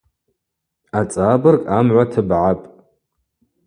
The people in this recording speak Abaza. Ацӏабырг амгӏва тыбгӏапӏ.